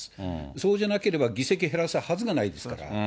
そうじゃなければ、議席減らすはずがないですから。